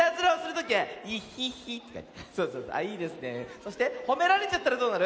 そしてほめられちゃったらどうなる？